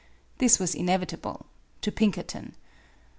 This was inevitable to Pinkerton.